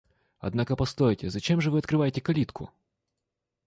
Однако постойте, зачем же вы открываете калитку?